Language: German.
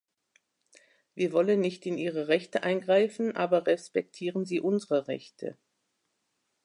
Wir wollen nicht in Ihre Rechte eingreifen, aber respektieren Sie unsere Rechte!